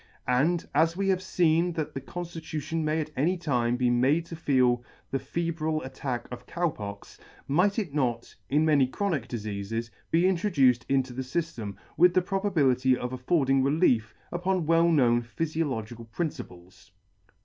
And, as we have feen that the conflitution may at any time be made to feel the febrile attack of Cow Pox, might it not, in many chronic difeafes, be introduced into the fyllem, with the probability of affording relief, upon well known phyfiological principles *?